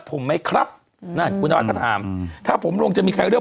ผมไหมครับฮือถ้าผมลงจะมีใครเลือก